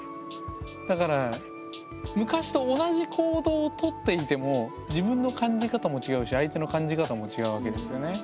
だから昔と同じ行動をとっていても自分の感じ方も違うし相手の感じ方も違うわけですよね。